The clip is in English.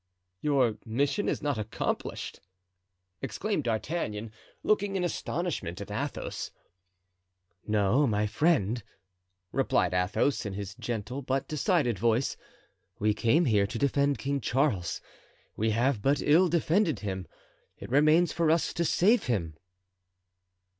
"Your mission is not accomplished?" exclaimed D'Artagnan, looking in astonishment at Athos. "No, my friend," replied Athos, in his gentle but decided voice, "we came here to defend King Charles; we have but ill defended him—it remains for us to save him!"